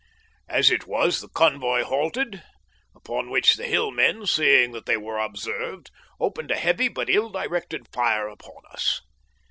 As it was, the convoy halted, upon which the Hillmen, seeing that they were observed, opened a heavy but ill directed fire upon us.